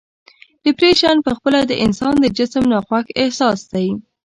ډپریشن په خپله د انسان د جسم ناخوښ احساس دی.